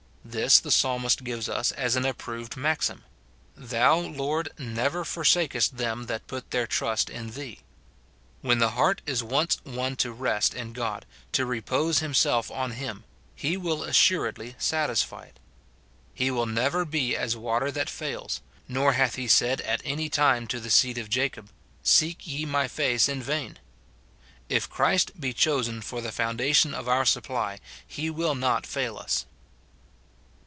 This the Psalmist gives us as an approved maxim, " Thou, Lord, never forsakest them that put their trust in thee." When the heart is once won to rest in God, to repose himself on him, he will assuredly satisfy it. He will never be as water that fails ; nor hath he said at any time to the seed of Jacob, " Seek ye my face in vain." * Psa. cxxs. G. 300 MORTIFICATION OP If Christ be chosen for the foundation of our supply, he •will not fail us.